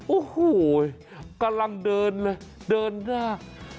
โอ้โหกำลังเดินเลยเดินหน้า